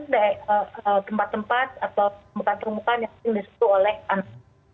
di tempat tempat atau tempat tempat yang disuruh oleh anak